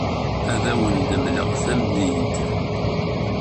Ad awent-d-mleɣ tamdint.